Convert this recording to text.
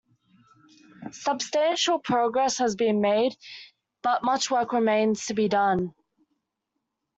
Substantial progress has been made, but much work remains to be done.